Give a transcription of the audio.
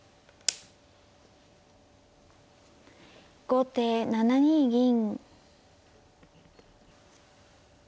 後手７二銀。